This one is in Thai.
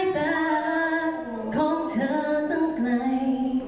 ทำได้แค่มองจากตรงนี้